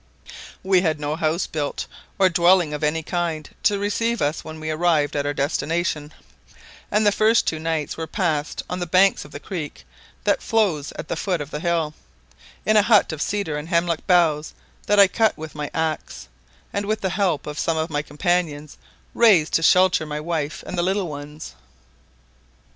"We had no house built, or dwelling of any kind to receive us when we arrived at our destination; and the first two nights were passed on the banks of the creek that flows at the foot of the hill, in a hut of cedar and hemlock boughs that I cut with my axe, and, with the help of some of my companions, raised to shelter my wife and the little ones.